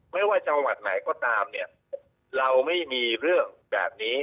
ไม่ว่าจังหวัดไหนก็ตามเนี่ยเราไม่มีเรื่องแบบนี้